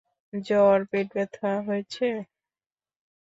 জ্বর, পেটব্যথা হয়েছে?